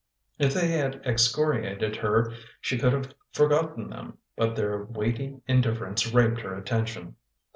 If they had excoriated her she could have forgotten them, but their weighty in difference raped her attention.